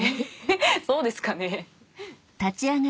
そうですかね。